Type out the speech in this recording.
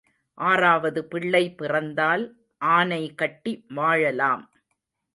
ஆறாவது பிள்ளை பிறந்தால் ஆனை கட்டி வாழலாம்.